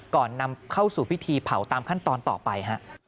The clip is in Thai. ก่อนนำเข้าสู่พิธีเผาตามขั้นตอนต่อไป